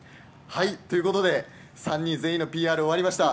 ということで３人全員のＰＲ終わりました。